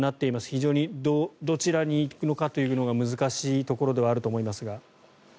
非常にどちらに行くのかというのが難しいところではあると思いますが。